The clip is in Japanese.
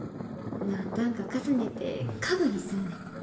何段か重ねて家具にすんねん。